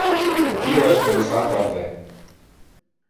io es pensata a te.